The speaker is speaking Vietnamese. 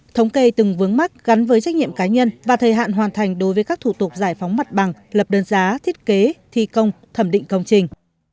thống kê từng vướng mắt gắn với trách nhiệm cá nhân và thời hạn hoàn thành đối với các thủ tục giải phóng mặt bằng lập đơn giá thiết kế thi công thẩm định công trình